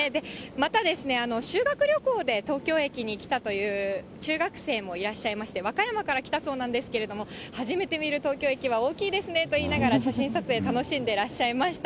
また、修学旅行で東京駅に来たという中学生もいらっしゃいまして、和歌山から来たそうなんですけれども、初めて見る東京駅は大きいですねと言いながら、写真撮影、楽しんでらっしゃいました。